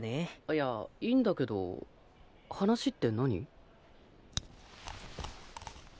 いやいいんだけど話って何？